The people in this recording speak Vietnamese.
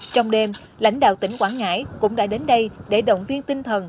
trong đêm lãnh đạo tỉnh quảng ngãi cũng đã đến đây để động viên tinh thần